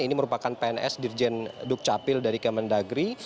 ini merupakan pns dirjen duk capil dari kemendagri